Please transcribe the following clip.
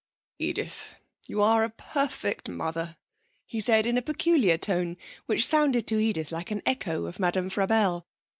'Edith, you are a perfect mother,' he said in a peculiar tone which sounded to Edith like an echo of Madame Frabelle.